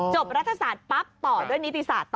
รัฐศาสตร์ปั๊บต่อด้วยนิติศาสตร์